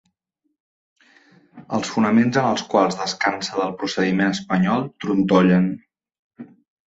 Els fonaments en els quals descansa del procediment espanyol trontollen.